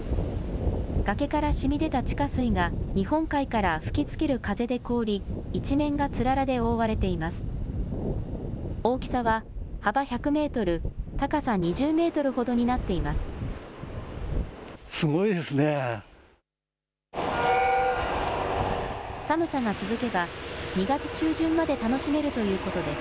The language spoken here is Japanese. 崖からしみ出た地下水が日本海から吹きつける風で凍り、一面がつららで覆われています。